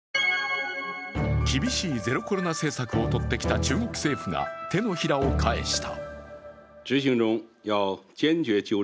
厳しいゼロコロナ政策を取ってきた中国政府が手のひらを返した。